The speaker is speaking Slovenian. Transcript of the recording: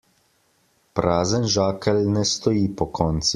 Prazen žakelj ne stoji pokonci.